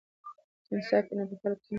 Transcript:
که انصاف وي نو په خلکو کې کینه نه وي.